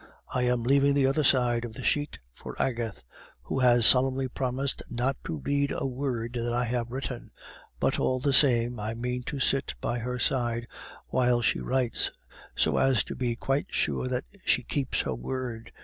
I am leaving the other side of the sheet for Agathe, who has solemnly promised not to read a word that I have written; but, all the same, I mean to sit by her side while she writes, so as to be quite sure that she keeps her word.